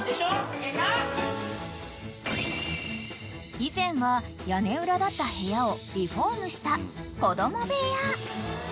［以前は屋根裏だった部屋をリフォームした子供部屋］